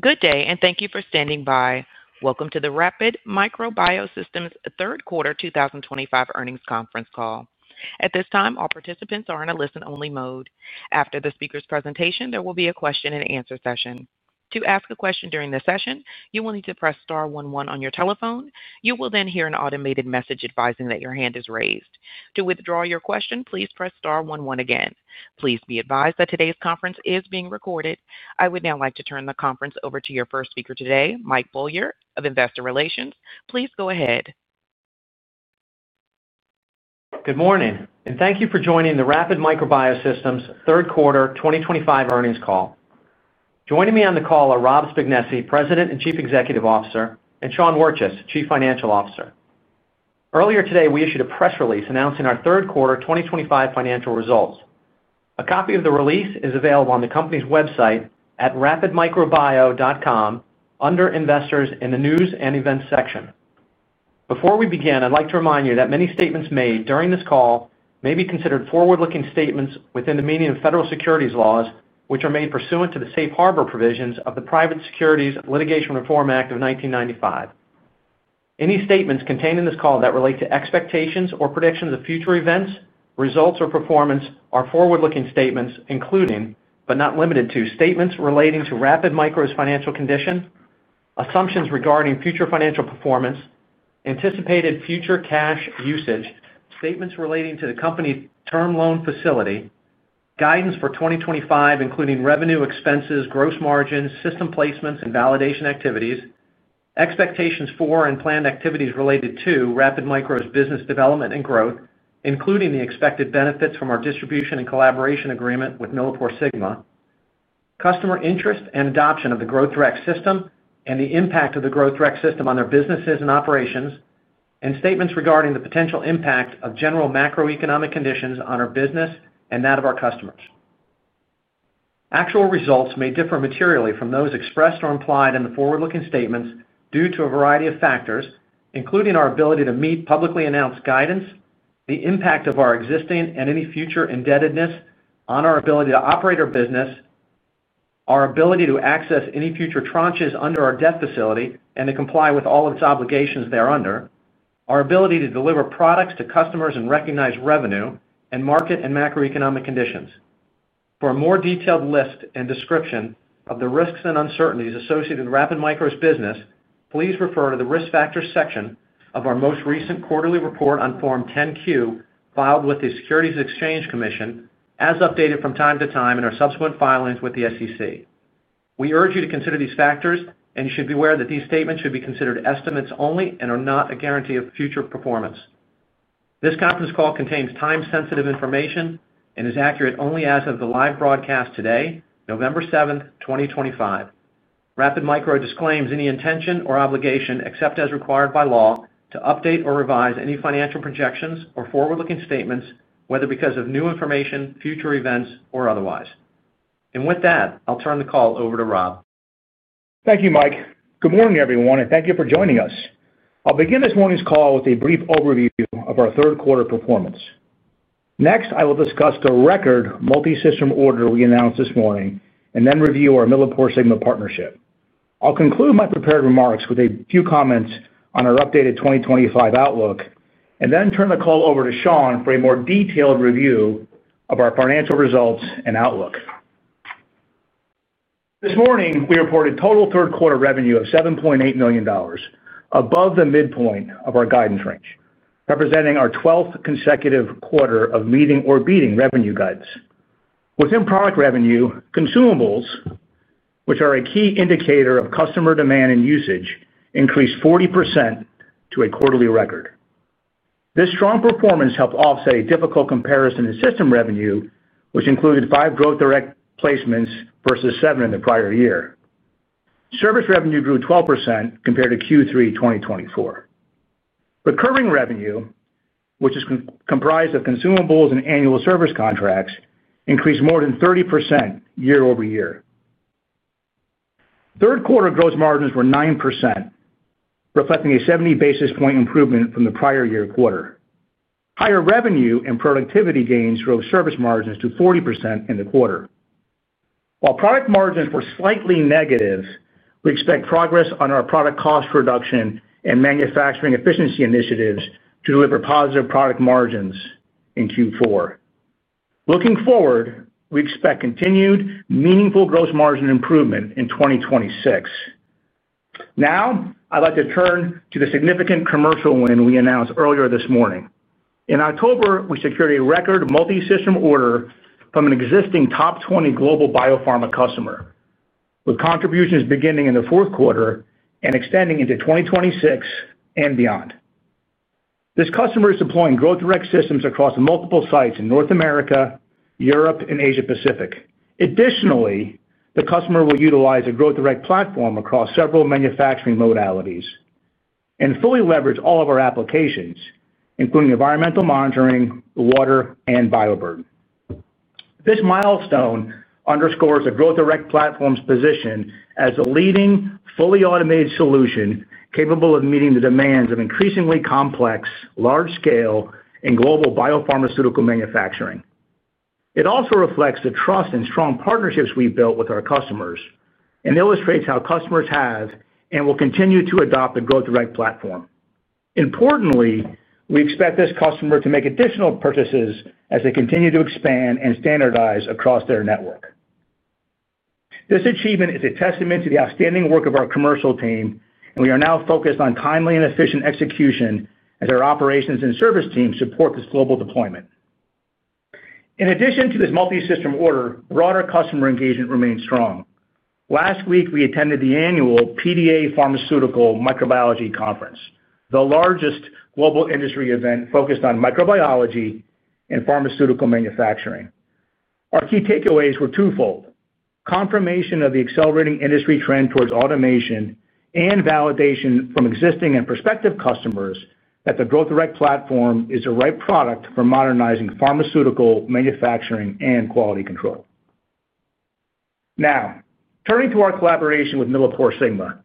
Good day, and thank you for standing by. Welcome to the Rapid Micro Biosystems third quarter 2025 earnings conference call. At this time, all participants are in a listen-only mode. After the speaker's presentation, there will be a question and answer session. To ask a question during the session, you will need to press star one one on your telephone. You will then hear an automated message advising that your hand is raised. To withdraw your question, please press star one one again. Please be advised that today's conference is being recorded. I would now like to turn the conference over to your first speaker today, Mike Beaulieu of Investor Relations. Please go ahead. Good morning, and thank you for joining the Rapid Micro Biosystems third quarter 2025 earnings call. Joining me on the call are Rob Spignesi, President and Chief Executive Officer, and Sean Wirtjes, Chief Financial Officer. Earlier today, we issued a press release announcing our third quarter 2025 financial results. A copy of the release is available on the company's website at rapidmicrobio.com under Investors in the News and Events section. Before we begin, I'd like to remind you that many statements made during this call may be considered forward-looking statements within the meaning of federal securities laws, which are made pursuant to the safe harbor provisions of the Private Securities Litigation Reform Act of 1995. Any statements contained in this call that relate to expectations or predictions of future events, results, or performance are forward-looking statements, including, but not limited to, statements relating to Rapid Micro's financial condition, assumptions regarding future financial performance, anticipated future cash usage, statements relating to the company's term loan facility, guidance for 2025, including revenue, expenses, gross margins, system placements, and validation activities, expectations for and planned activities related to Rapid Micro's business development and growth, including the expected benefits from our distribution and collaboration agreement with MilliporeSigma, customer interest and adoption of the GrowthRx system, and the impact of the GrowthRx system on their businesses and operations, and statements regarding the potential impact of general macroeconomic conditions on our business and that of our customers. Actual results may differ materially from those expressed or implied in the forward-looking statements due to a variety of factors, including our ability to meet publicly announced guidance, the impact of our existing and any future indebtedness on our ability to operate our business, our ability to access any future tranches under our debt facility and to comply with all of its obligations thereunder, our ability to deliver products to customers and recognize revenue and market and macroeconomic conditions. For a more detailed list and description of the risks and uncertainties associated with Rapid Micros' business, please refer to the risk factors section of our most recent quarterly report on Form 10-Q filed with the U.S. Securities and Exchange Commission, as updated from time to time in our subsequent filings with the SEC. We urge you to consider these factors, and you should be aware that these statements should be considered estimates only and are not a guarantee of future performance. This conference call contains time-sensitive information and is accurate only as of the live broadcast today, November 7, 2025. Rapid Micro disclaims any intention or obligation, except as required by law, to update or revise any financial projections or forward-looking statements, whether because of new information, future events, or otherwise. With that, I'll turn the call over to Rob. Thank you, Mike. Good morning, everyone, and thank you for joining us. I'll begin this morning's call with a brief overview of our third quarter performance. Next, I will discuss the record multi-system order we announced this morning and then review our MilliporeSigma partnership. I'll conclude my prepared remarks with a few comments on our updated 2025 outlook and then turn the call over to Sean for a more detailed review of our financial results and outlook. This morning, we reported total third quarter revenue of $7.8 million, above the midpoint of our guidance range, representing our 12th consecutive quarter of meeting or beating revenue guidance. Within product revenue, consumables, which are a key indicator of customer demand and usage, increased 40% to a quarterly record. This strong performance helped offset a difficult comparison in system revenue, which included five GrowthRx placements versus seven in the prior year. Service revenue grew 12% compared to Q3 2024. Recurring revenue, which is comprised of consumables and annual service contracts, increased more than 30% year-over-year. Third quarter gross margins were 9%, reflecting a 70 basis point improvement from the prior year quarter. Higher revenue and productivity gains drove service margins to 40% in the quarter. While product margins were slightly negative, we expect progress on our product cost reduction and manufacturing efficiency initiatives to deliver positive product margins in Q4. Looking forward, we expect continued meaningful gross margin improvement in 2026. Now, I'd like to turn to the significant commercial win we announced earlier this morning. In October, we secured a record multi-system order from an existing top 20 global biopharma customer, with contributions beginning in the fourth quarter and extending into 2026 and beyond. This customer is deploying GrowthRx systems across multiple sites in North America, Europe, and Asia-Pacific. Additionally, the customer will utilize a GrowthRx platform across several manufacturing modalities and fully leverage all of our applications, including environmental monitoring, water, and bioburden. This milestone underscores the GrowthRx platform's position as a leading, fully automated solution capable of meeting the demands of increasingly complex, large-scale, and global biopharmaceutical manufacturing. It also reflects the trust and strong partnerships we've built with our customers and illustrates how customers have and will continue to adopt the GrowthRx platform. Importantly, we expect this customer to make additional purchases as they continue to expand and standardize across their network. This achievement is a testament to the outstanding work of our commercial team, and we are now focused on timely and efficient execution as our operations and service teams support this global deployment. In addition to this multi-system order, broader customer engagement remains strong. Last week, we attended the annual PDA Pharmaceutical Microbiology Conference, the largest global industry event focused on microbiology and pharmaceutical manufacturing. Our key takeaways were twofold: confirmation of the accelerating industry trend towards automation and validation from existing and prospective customers that the GrowthRx platform is the right product for modernizing pharmaceutical manufacturing and quality control. Now, turning to our collaboration with MilliporeSigma,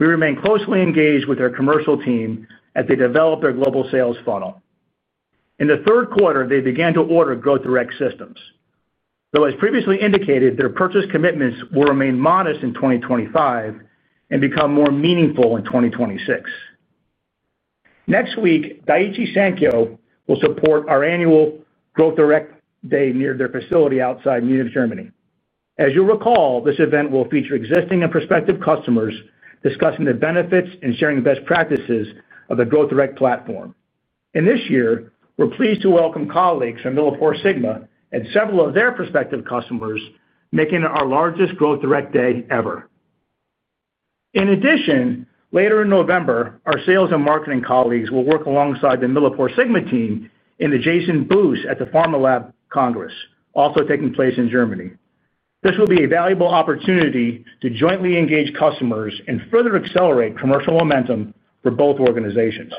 we remain closely engaged with their commercial team as they develop their global sales funnel. In the third quarter, they began to order GrowthRx systems. Though, as previously indicated, their purchase commitments will remain modest in 2025 and become more meaningful in 2026. Next week, Daiichi Sankyo will support our annual GrowthRx Day near their facility outside Munich, Germany. As you'll recall, this event will feature existing and prospective customers discussing the benefits and sharing best practices of the GrowthRx platform. This year, we're pleased to welcome colleagues from MilliporeSigma and several of their prospective customers, making it our largest GrowthRx Day ever. In addition, later in November, our sales and marketing colleagues will work alongside the MilliporeSigma team in the joint booth at the PharmaLab Congress, also taking place in Germany. This will be a valuable opportunity to jointly engage customers and further accelerate commercial momentum for both organizations.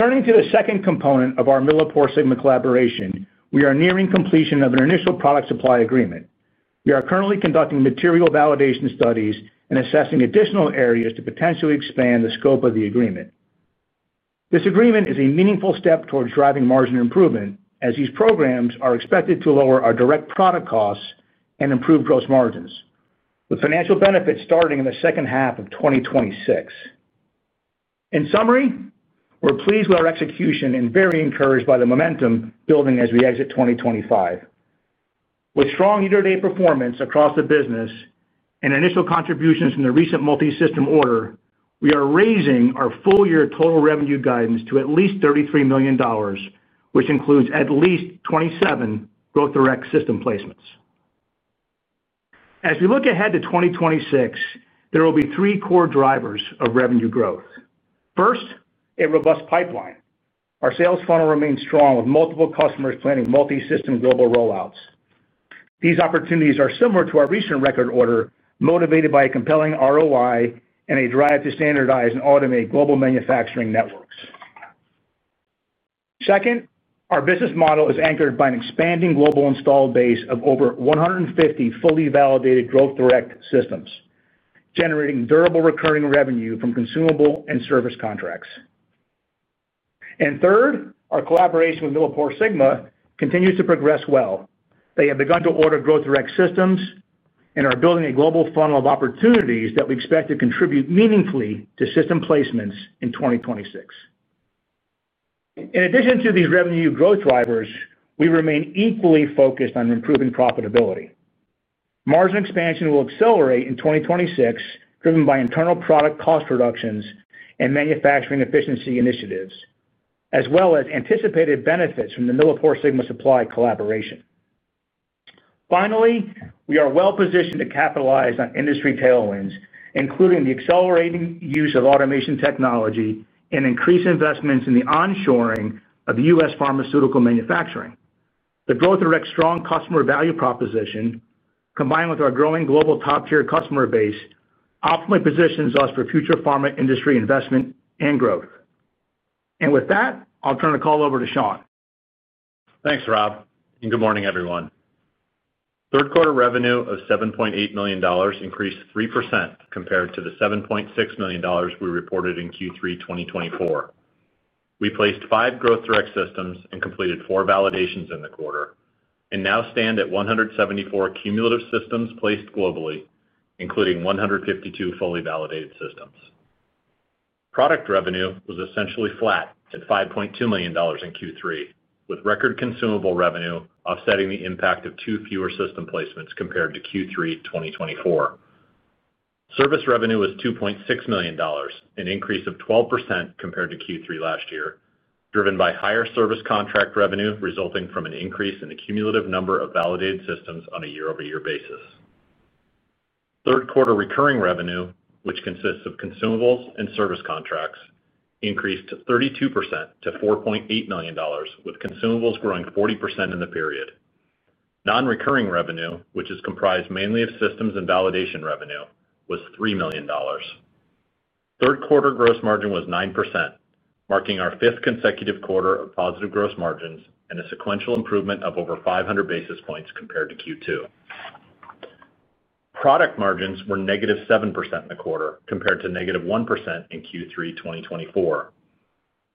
Turning to the second component of our MilliporeSigma collaboration, we are nearing completion of an initial product supply agreement. We are currently conducting material validation studies and assessing additional areas to potentially expand the scope of the agreement. This agreement is a meaningful step towards driving margin improvement, as these programs are expected to lower our direct product costs and improve gross margins, with financial benefits starting in the second half of 2026. In summary, we're pleased with our execution and very encouraged by the momentum building as we exit 2025. With strong year-to-date performance across the business and initial contributions from the recent multi-system order, we are raising our full-year total revenue guidance to at least $33 million, which includes at least 27 GrowthRx system placements. As we look ahead to 2026, there will be three core drivers of revenue growth. First, a robust pipeline. Our sales funnel remains strong, with multiple customers planning multi-system global rollouts. These opportunities are similar to our recent record order, motivated by a compelling ROI and a drive to standardize and automate global manufacturing networks. Second, our business model is anchored by an expanding global installed base of over 150 fully validated GrowthRx systems, generating durable recurring revenue from consumable and service contracts. Third, our collaboration with MilliporeSigma continues to progress well. They have begun to order GrowthRx systems and are building a global funnel of opportunities that we expect to contribute meaningfully to system placements in 2026. In addition to these revenue growth drivers, we remain equally focused on improving profitability. Margin expansion will accelerate in 2026, driven by internal product cost reductions and manufacturing efficiency initiatives, as well as anticipated benefits from the MilliporeSigma supply collaboration. Finally, we are well positioned to capitalize on industry tailwinds, including the accelerating use of automation technology and increased investments in the onshoring of U.S. pharmaceutical manufacturing. The GrowthRx strong customer value proposition, combined with our growing global top-tier customer base, optimally positions us for future pharma industry investment and growth. With that, I'll turn the call over to Sean. Thanks, Rob. Good morning, everyone. Third quarter revenue of $7.8 million increased 3% compared to the $7.6 million we reported in Q3 2024. We placed five GrowthRx systems and completed four validations in the quarter, and now stand at 174 cumulative systems placed globally, including 152 fully validated systems. Product revenue was essentially flat at $5.2 million in Q3, with record consumable revenue offsetting the impact of two fewer system placements compared to Q3 2024. Service revenue was $2.6 million, an increase of 12% compared to Q3 last year, driven by higher service contract revenue resulting from an increase in the cumulative number of validated systems on a year-over-year basis. Third quarter recurring revenue, which consists of consumables and service contracts, increased 32% to $4.8 million, with consumables growing 40% in the period. Non-recurring revenue, which is comprised mainly of systems and validation revenue, was $3 million. Third quarter gross margin was 9%, marking our fifth consecutive quarter of positive gross margins and a sequential improvement of over 500 basis points compared to Q2. Product margins were negative 7% in the quarter compared to negative 1% in Q3 2024,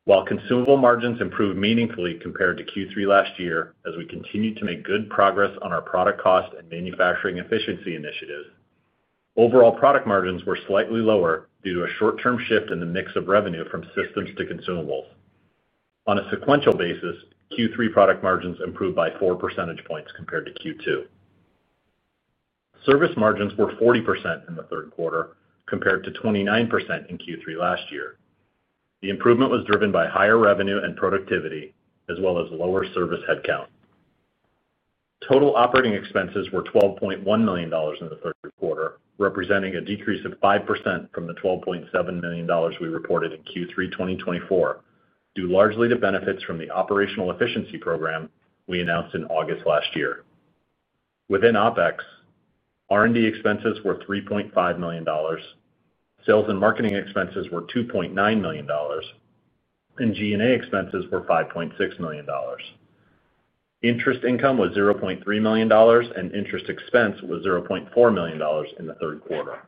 while consumable margins improved meaningfully compared to Q3 last year as we continued to make good progress on our product cost and manufacturing efficiency initiatives. Overall, product margins were slightly lower due to a short-term shift in the mix of revenue from systems to consumables. On a sequential basis, Q3 product margins improved by 4 percentage points compared to Q2. Service margins were 40% in the third quarter compared to 29% in Q3 last year. The improvement was driven by higher revenue and productivity, as well as lower service headcount. Total operating expenses were $12.1 million in the third quarter, representing a decrease of 5% from the $12.7 million we reported in Q3 2024, due largely to benefits from the operational efficiency program we announced in August last year. Within OPEX, R&D expenses were $3.5 million, sales and marketing expenses were $2.9 million, and G&A expenses were $5.6 million. Interest income was $0.3 million, and interest expense was $0.4 million in the third quarter.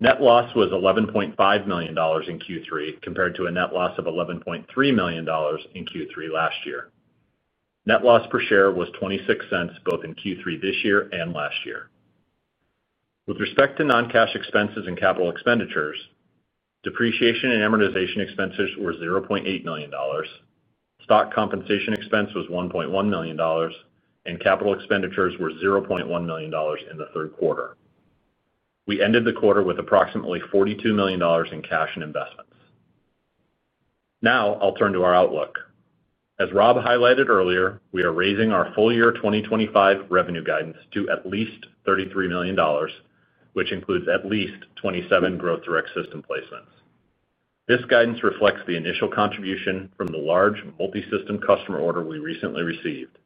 Net loss was $11.5 million in Q3 compared to a net loss of $11.3 million in Q3 last year. Net loss per share was $0.26 both in Q3 this year and last year. With respect to non-cash expenses and capital expenditures, depreciation and amortization expenses were $0.8 million, stock compensation expense was $1.1 million, and capital expenditures were $0.1 million in the third quarter. We ended the quarter with approximately $42 million in cash and investments. Now, I'll turn to our outlook. As Rob highlighted earlier, we are raising our full-year 2025 revenue guidance to at least $33 million, which includes at least 27 GrowthRx system placements. This guidance reflects the initial contribution from the large multi-system customer order we recently received.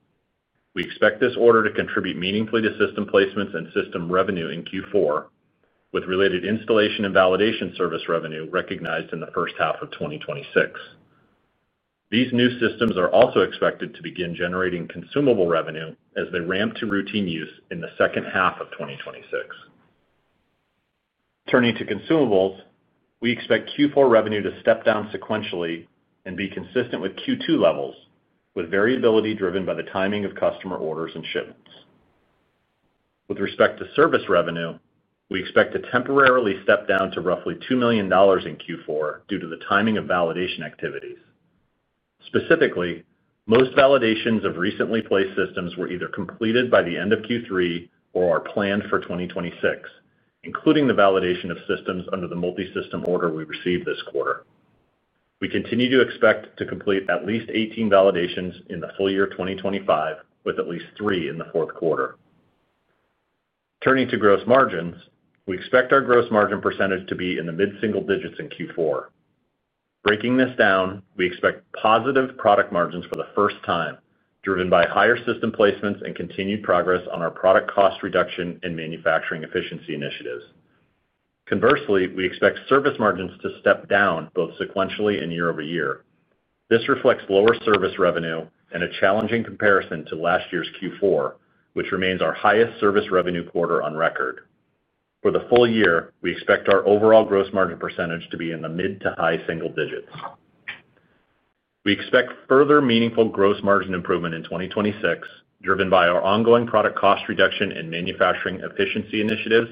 We expect this order to contribute meaningfully to system placements and system revenue in Q4, with related installation and validation service revenue recognized in the first half of 2026. These new systems are also expected to begin generating consumable revenue as they ramp to routine use in the second half of 2026. Turning to consumables, we expect Q4 revenue to step down sequentially and be consistent with Q2 levels, with variability driven by the timing of customer orders and shipments. With respect to service revenue, we expect to temporarily step down to roughly $2 million in Q4 due to the timing of validation activities. Specifically, most validations of recently placed systems were either completed by the end of Q3 or are planned for 2026, including the validation of systems under the multi-system order we received this quarter. We continue to expect to complete at least 18 validations in the full year 2025, with at least three in the fourth quarter. Turning to gross margins, we expect our gross margin percentage to be in the mid-single digits in Q4. Breaking this down, we expect positive product margins for the first time, driven by higher system placements and continued progress on our product cost reduction and manufacturing efficiency initiatives. Conversely, we expect service margins to step down both sequentially and year-over-year. This reflects lower service revenue and a challenging comparison to last year's Q4, which remains our highest service revenue quarter on record. For the full year, we expect our overall gross margin percentage to be in the mid to high single digits. We expect further meaningful gross margin improvement in 2026, driven by our ongoing product cost reduction and manufacturing efficiency initiatives,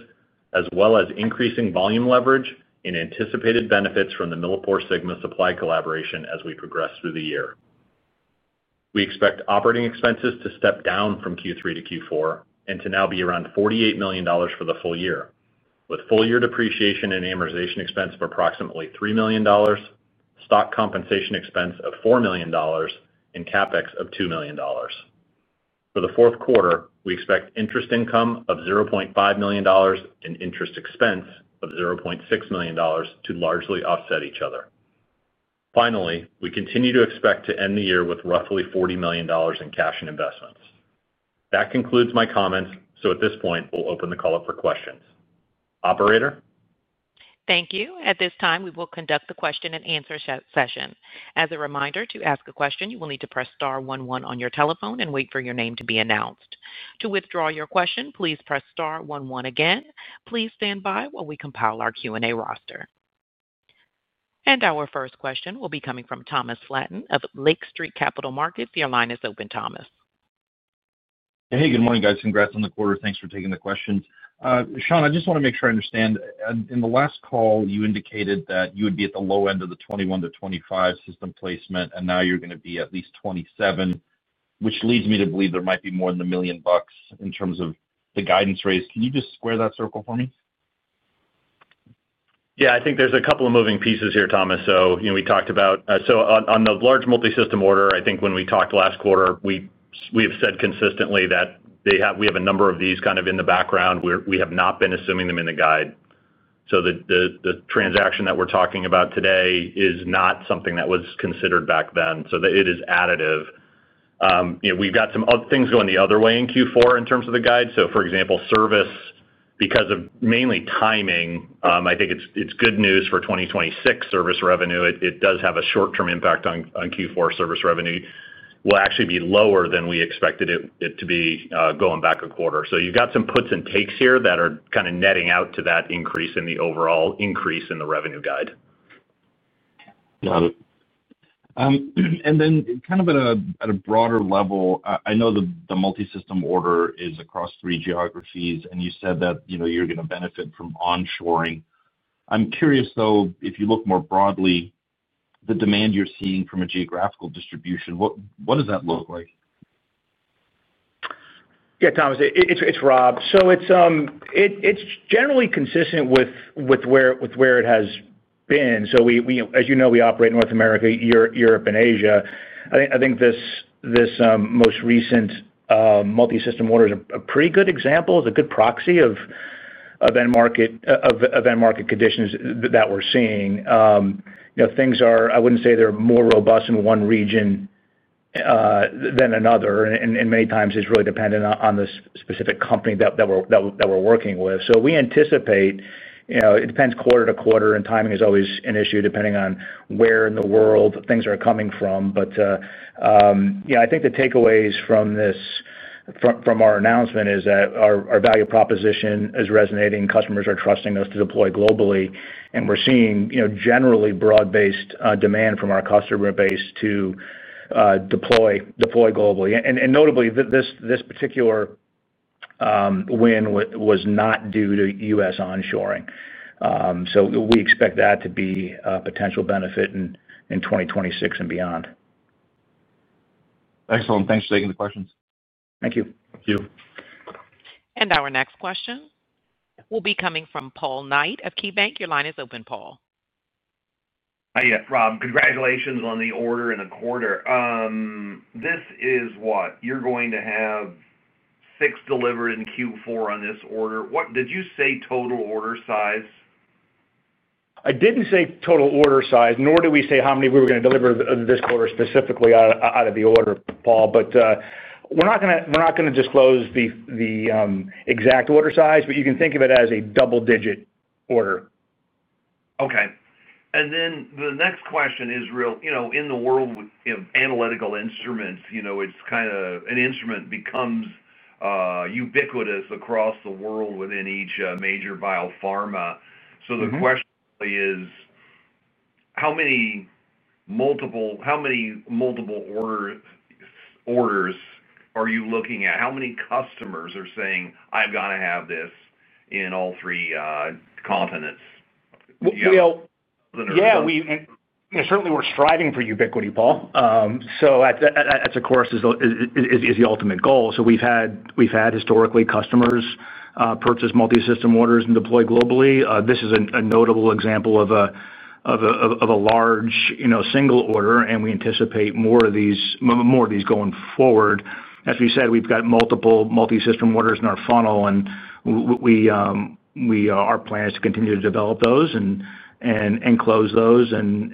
as well as increasing volume leverage and anticipated benefits from the MilliporeSigma supply collaboration as we progress through the year. We expect operating expenses to step down from Q3 to Q4 and to now be around $48 million for the full year, with full-year depreciation and amortization expense of approximately $3 million, stock compensation expense of $4 million, and CapEx of $2 million. For the fourth quarter, we expect interest income of $0.5 million and interest expense of $0.6 million to largely offset each other. Finally, we continue to expect to end the year with roughly $40 million in cash and investments. That concludes my comments, so at this point, we'll open the call up for questions. Operator? Thank you. At this time, we will conduct the question-and-answer session. As a reminder, to ask a question, you will need to press star one one on your telephone and wait for your name to be announced. To withdraw your question, please press star one one again. Please stand by while we compile our Q&A roster. Our first question will be coming from Thomas Flaten of Lake Street Capital Markets. Your line is open, Thomas. Hey, good morning, guys. Congrats on the quarter. Thanks for taking the questions. Sean, I just want to make sure I understand. In the last call, you indicated that you would be at the low end of the 21-25 system placement, and now you're going to be at least 27, which leads me to believe there might be more than $1 million in terms of the guidance raise. Can you just square that circle for me? Yeah, I think there's a couple of moving pieces here, Thomas. So we talked about, so on the large multi-system order, I think when we talked last quarter, we have said consistently that we have a number of these kind of in the background. We have not been assuming them in the guide. So the transaction that we're talking about today is not something that was considered back then. So it is additive. We've got some things going the other way in Q4 in terms of the guide. For example, service, because of mainly timing, I think it's good news for 2026 service revenue. It does have a short-term impact on Q4 service revenue. Will actually be lower than we expected it to be going back a quarter. You've got some puts and takes here that are kind of netting out to that increase in the overall increase in the revenue guide. Got it. Then kind of at a broader level, I know the multi-system order is across three geographies, and you said that you're going to benefit from onshoring. I'm curious, though, if you look more broadly, the demand you're seeing from a geographical distribution, what does that look like? Yeah, Thomas, it's Rob. So it's generally consistent with where it has been. As you know, we operate North America, Europe, and Asia. I think this most recent multi-system order is a pretty good example, is a good proxy of end market conditions that we're seeing. Things are, I wouldn't say they're more robust in one region than another, and many times it's really dependent on the specific company that we're working with. We anticipate it depends quarter to quarter, and timing is always an issue depending on where in the world things are coming from. Yeah, I think the takeaways from our announcement is that our value proposition is resonating. Customers are trusting us to deploy globally, and we're seeing generally broad-based demand from our customer base to deploy globally. Notably, this particular win was not due to U.S. onshoring. We expect that to be a potential benefit in 2026 and beyond. Excellent. Thanks for taking the questions. Thank you. Thank you. Our next question will be coming from Paul Knight of KeyBanc Capital Markets. Your line is open, Paul. Hi, Rob. Congratulations on the order and the quarter. This is what? You're going to have six delivered in Q4 on this order. What did you say total order size? I didn't say total order size, nor did we say how many we were going to deliver this quarter specifically out of the order, Paul. We are not going to disclose the exact order size, but you can think of it as a double-digit order. Okay. The next question is real, in the world. With analytical instruments, it's kind of an instrument becomes ubiquitous across the world within each major biopharma. The question is, how many multiple orders are you looking at? How many customers are saying, "I've got to have this in all three continents"? Yeah, certainly we're striving for ubiquity, Paul. That, of course, is the ultimate goal. We've had historically customers purchase multi-system orders and deploy globally. This is a notable example of a large single order, and we anticipate more of these going forward. As we said, we've got multiple multi-system orders in our funnel, and our plan is to continue to develop those and enclose those and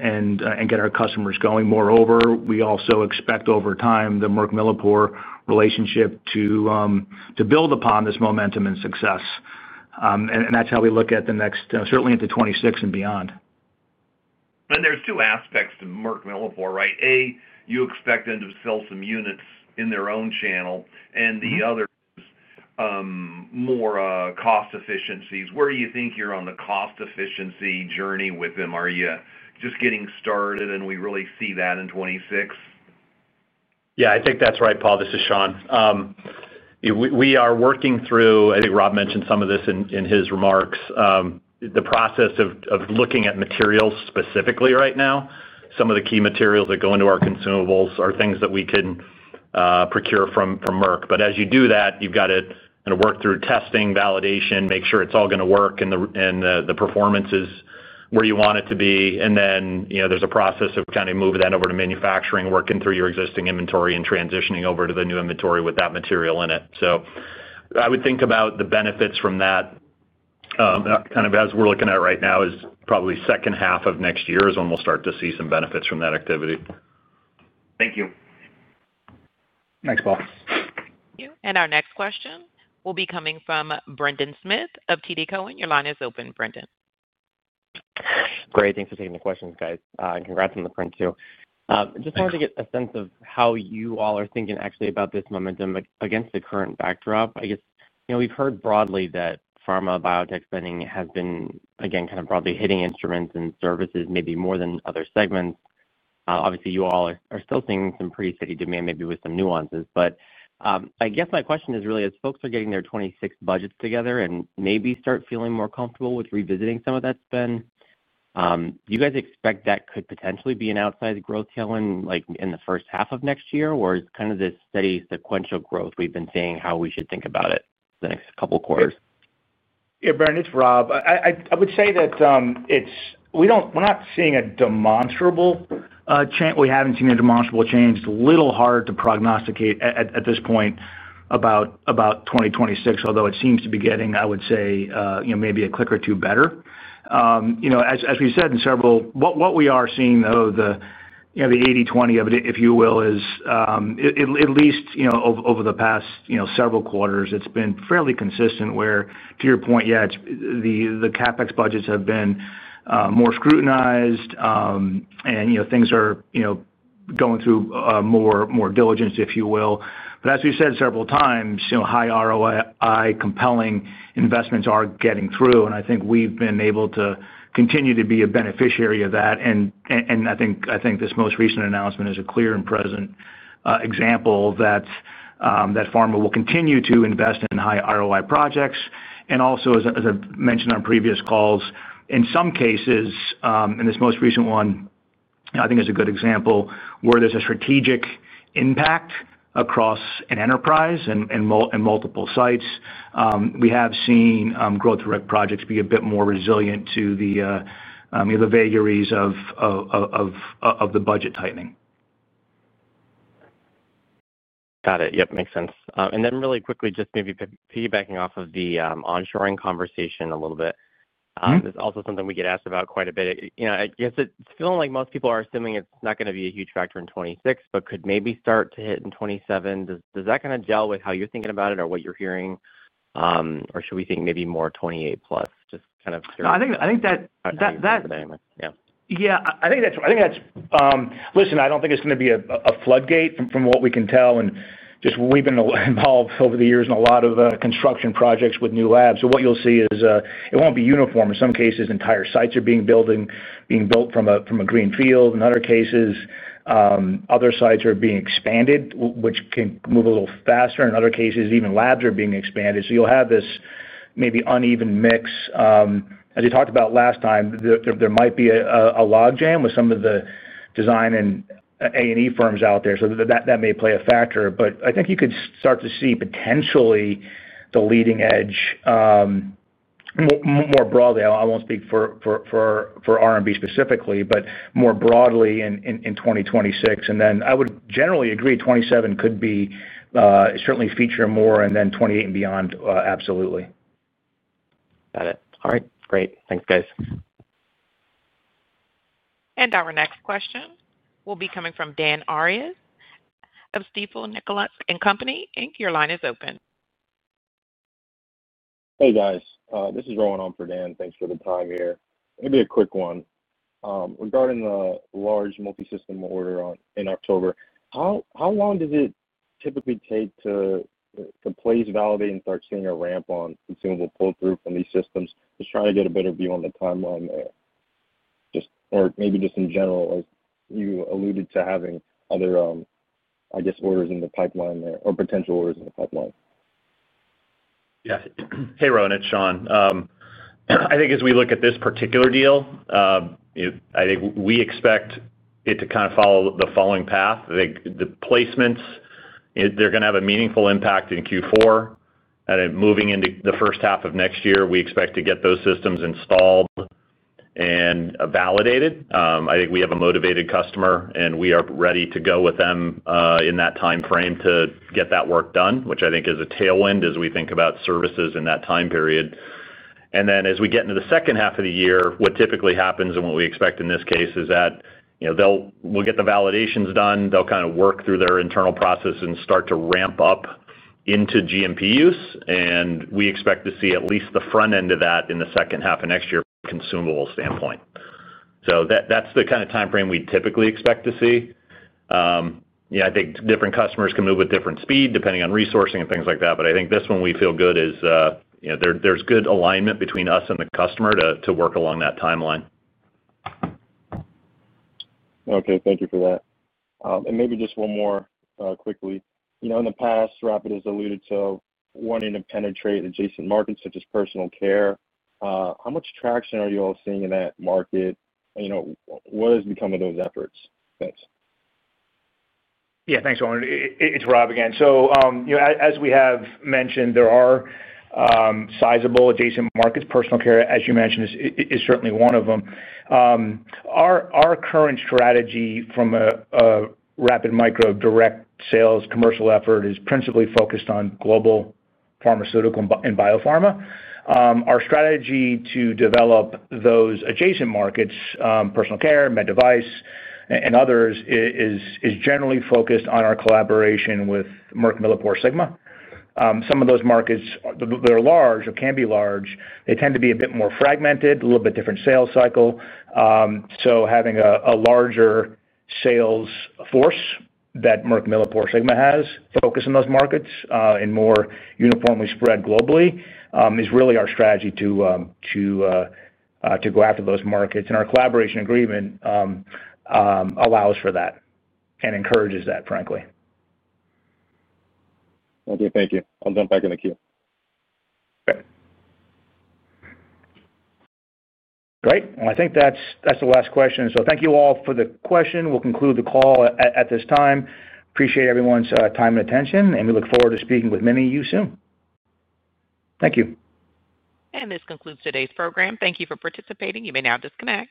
get our customers going. Moreover, we also expect over time the Merck-MilliporeSigma relationship to build upon this momentum and success. That is how we look at the next, certainly into 2026 and beyond. There are two aspects to Merck-MilliporeSigma, right? A, you expect them to sell some units in their own channel, and the other is more cost efficiencies. Where do you think you are on the cost efficiency journey with them? Are you just getting started, and we really see that in 2026? Yeah, I think that's right, Paul. This is Sean. We are working through, I think Rob mentioned some of this in his remarks, the process of looking at materials specifically right now. Some of the key materials that go into our consumables are things that we can procure from Merck. As you do that, you've got to work through testing, validation, make sure it's all going to work, and the performance is where you want it to be. There is a process of kind of moving that over to manufacturing, working through your existing inventory and transitioning over to the new inventory with that material in it. I would think about the benefits from that kind of as we're looking at it right now is probably second half of next year is when we'll start to see some benefits from that activity. Thank you. Thanks, Paul. Thank you. Our next question will be coming from Brendan Smith of TD Cowen. Your line is open, Brendan. Great. Thanks for taking the questions, guys. And congrats on the print, too. Just wanted to get a sense of how you all are thinking actually about this momentum against the current backdrop. I guess we've heard broadly that pharma biotech spending has been, again, kind of broadly hitting instruments and services maybe more than other segments. Obviously, you all are still seeing some pretty steady demand, maybe with some nuances. But I guess my question is really, as folks are getting their 2026 budgets together and maybe start feeling more comfortable with revisiting some of that spend, do you guys expect that could potentially be an outsized growth tail in the first half of next year, or is kind of this steady sequential growth we've been seeing how we should think about it for the next couple of quarters? Yeah, Brendan, it's Rob. I would say that we're not seeing a demonstrable change. We haven't seen a demonstrable change. It's a little hard to prognosticate at this point about 2026, although it seems to be getting, I would say, maybe a click or two better. As we said in several, what we are seeing, though, the 80/20 of it, if you will, is at least over the past several quarters, it's been fairly consistent where, to your point, yeah, the CapEx budgets have been more scrutinized, and things are going through more diligence, if you will. As we said several times, high ROI, compelling investments are getting through, and I think we've been able to continue to be a beneficiary of that. I think this most recent announcement is a clear and present example that pharma will continue to invest in high ROI projects. Also, as I mentioned on previous calls, in some cases, and this most recent one, I think, is a good example where there's a strategic impact across an enterprise and multiple sites. We have seen Growth Direct projects be a bit more resilient to the vagaries of the budget tightening. Got it. Yep, makes sense. Just really quickly, maybe piggybacking off of the onshoring conversation a little bit, this is also something we get asked about quite a bit. I guess it's feeling like most people are assuming it's not going to be a huge factor in 2026, but could maybe start to hit in 2027. Does that kind of gel with how you're thinking about it or what you're hearing, or should we think maybe more 2028 plus? Just kind of curious. I think that. Or 2027 for the dynamics? Yeah. Yeah, I think that's right. Listen, I don't think it's going to be a floodgate from what we can tell. We've been involved over the years in a lot of construction projects with new labs. What you'll see is it won't be uniform. In some cases, entire sites are being built from a green field. In other cases, other sites are being expanded, which can move a little faster. In other cases, even labs are being expanded. You'll have this maybe uneven mix. As we talked about last time, there might be a log jam with some of the design and A&E firms out there. That may play a factor. I think you could start to see potentially the leading edge more broadly. I won't speak for R&D specifically, but more broadly in 2026. I would generally agree 2027 could certainly feature more and then 2028 and beyond, absolutely. Got it. All right. Great. Thanks, guys. Our next question will be coming from Dan Arias of Stifel Nicolaus & Company. Your line is open. Hey, guys. This is Rowan Almford on for Dan. Thanks for the time here. Maybe a quick one. Regarding the large multi-system order in October, how long does it typically take to place, validate, and start seeing a ramp on consumable pull-through from these systems? Just trying to get a better view on the timeline there. Or maybe just in general, as you alluded to having other, I guess, orders in the pipeline there or potential orders in the pipeline. Yeah. Hey, Rowan. It's Sean. I think as we look at this particular deal, I think we expect it to kind of follow the following path. I think the placements, they're going to have a meaningful impact in Q4. Moving into the first half of next year, we expect to get those systems installed and validated. I think we have a motivated customer, and we are ready to go with them in that timeframe to get that work done, which I think is a tailwind as we think about services in that time period. As we get into the second half of the year, what typically happens and what we expect in this case is that we'll get the validations done. They'll kind of work through their internal process and start to ramp up into GMP use. We expect to see at least the front end of that in the second half of next year from a consumable standpoint. That is the kind of timeframe we typically expect to see. I think different customers can move with different speed depending on resourcing and things like that. I think this one we feel good is there is good alignment between us and the customer to work along that timeline. Okay. Thank you for that. Maybe just one more quickly. In the past, Rapid has alluded to wanting to penetrate adjacent markets such as personal care. How much traction are you all seeing in that market? What has become of those efforts? Thanks. Yeah. Thanks, Rowan. It's Rob again. As we have mentioned, there are sizable adjacent markets. Personal care, as you mentioned, is certainly one of them. Our current strategy from a Rapid Micro direct sales commercial effort is principally focused on global pharmaceutical and biopharma. Our strategy to develop those adjacent markets, personal care, med device, and others, is generally focused on our collaboration with MilliporeSigma. Some of those markets, they're large or can be large. They tend to be a bit more fragmented, a little bit different sales cycle. Having a larger sales force that MilliporeSigma has focus on those markets and more uniformly spread globally is really our strategy to go after those markets. Our collaboration agreement allows for that and encourages that, frankly. Okay. Thank you. I'll jump back in the queue. Great. Great. I think that's the last question. Thank you all for the question. We'll conclude the call at this time. Appreciate everyone's time and attention, and we look forward to speaking with many of you soon. Thank you. This concludes today's program. Thank you for participating. You may now disconnect.